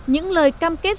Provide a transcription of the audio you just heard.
những lời cam kết